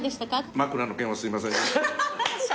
枕の件はすいませんでした。